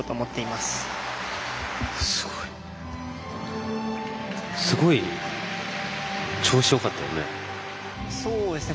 すごい調子よかったよね。